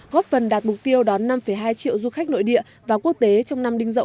góp phần đạt mục tiêu đón năm hai triệu du khách nội địa và quốc tế trong năm đinh dậu hai nghìn một mươi bảy